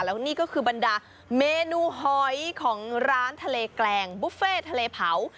แล้วนี่ก็คือบรรดาเมนูหอยของร้านทะเลแกลงบุฟเฟ่ทะเลเผา